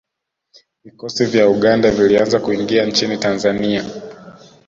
Vikosi vya Uganda vilianza kuingia nchini Tanzania